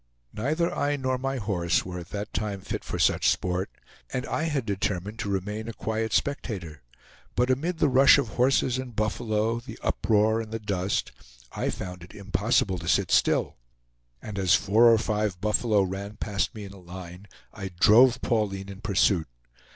Neither I nor my horse were at that time fit for such sport, and I had determined to remain a quiet spectator; but amid the rush of horses and buffalo, the uproar and the dust, I found it impossible to sit still; and as four or five buffalo ran past me in a line, I drove Pauline in pursuit.